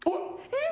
えっ？